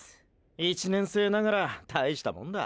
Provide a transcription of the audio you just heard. １年生ながら大したもんだ。